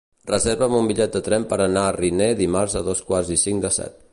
Reserva'm un bitllet de tren per anar a Riner dimarts a dos quarts i cinc de set.